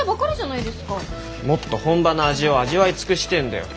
もっと本場の味を味わい尽くしてえんだよ。